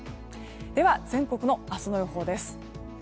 では、全国の明日の予報です。